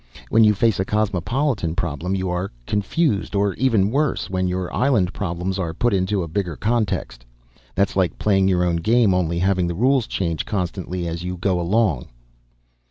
When you face a cosmopolitan problem you are confused. Or even worse, when your island problems are put into a bigger context. That's like playing your own game, only having the rules change constantly as you go along."